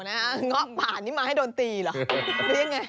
ง๊อบผ่านนี่มาให้โดนตีหรือ